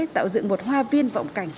tạo dựng một hoa viên vọng cảnh